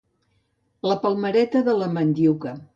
La palmereta de la mandiuca.